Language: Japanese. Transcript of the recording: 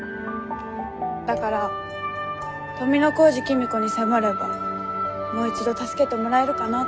だから富小路公子に迫ればもう一度助けてもらえるかなって。